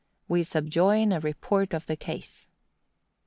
We subjoin a report of the case.